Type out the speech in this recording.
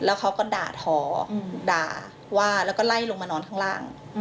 เขาก็ด่าทอด่าว่าแล้วก็ไล่ลงมานอนข้างล่าง